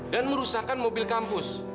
dan merusakkan mobil kampus